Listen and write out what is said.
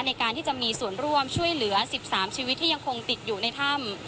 ในการที่จะมีส่วนร่วมช่วยเหลือ๑๓ชีวิตที่ยังคงติดอยู่ในถ้ำ